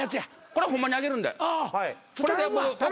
これホンマにあげるんで。